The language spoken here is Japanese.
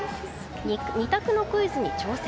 ２択のクイズに挑戦。